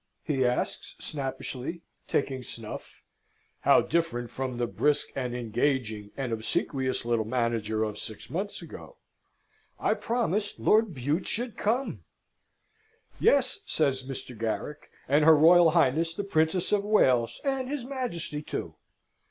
he asks, snappishly, taking snuff (how different from the brisk, and engaging, and obsequious little manager of six months ago!) "I promised Lord Bute should come?" "Yes," says Mr. Garrick, "and her Royal Highness the Princess of Wales, and his Majesty too."